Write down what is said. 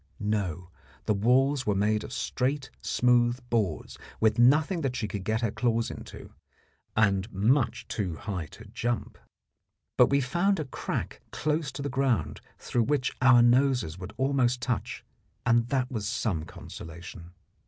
No; the walls were made of straight, smooth boards with nothing that she could get her claws into, and much too high to jump. But we found a crack close to the ground through which our noses would almost touch, and that was some consolation.